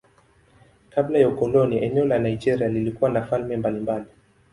Kabla ya ukoloni eneo la Nigeria lilikuwa na falme mbalimbali.